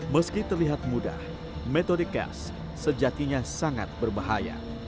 meski terlihat mudah metode cash sejatinya sangat berbahaya